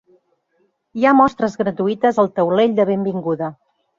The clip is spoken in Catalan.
Hi ha mostres gratuïtes al taulell de benvinguda.